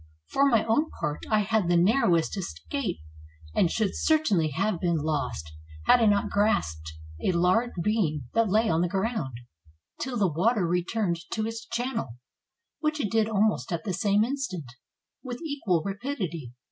For my own part I had the nar rowest escape, and should certainly have been lost, had I not grasped a large beam that lay on the ground, till the water returned to its channel, which it did almost at the same instant, with equal rapidity.